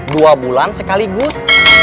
dua bulan sekaligus